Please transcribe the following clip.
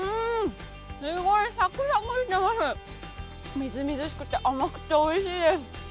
みずみずしくて、甘くておいしいです。